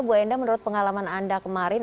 bu enda menurut pengalaman anda kemarin